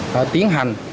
đã tiến hành